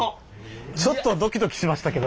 ちょっとドキドキしましたけど。